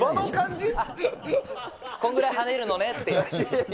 こんぐらい跳ねるのねって。